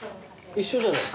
一緒じゃない？